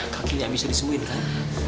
kakinya bisa disemuin kan